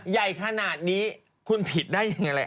ใหญ่ขนาดนี้คุณผิดได้ยังไง